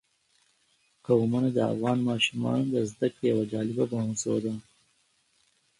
قومونه د افغان ماشومانو د زده کړې یوه جالبه موضوع ده.